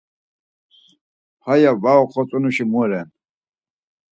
Hayas va oxotzonuşi mu ren?